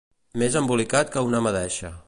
Més embolicat que una madeixa.